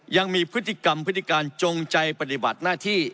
ยังมีพฤติกรรมพฤติการจงใจปฏิบัติหน้าที่